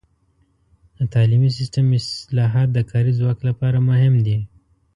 د تعلیمي سیستم اصلاحات د کاري ځواک لپاره مهم دي.